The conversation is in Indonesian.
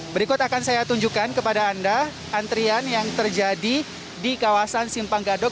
berikut akan saya tunjukkan kepada anda antrian yang terjadi di kawasan simpang gadok